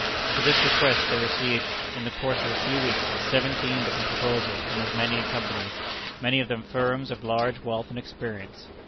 To this request they received, in the course of a few weeks, seventeen different proposals from as many companies, many of them firms of large wealth and experience.